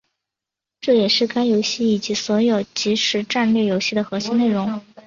这也是该游戏以及所有即时战略游戏的核心内容。